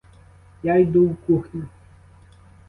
Я йду в кухню.